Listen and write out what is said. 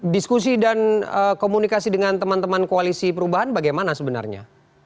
diskusi dan komunikasi dengan teman teman koalisi perubahan bagaimana sebenarnya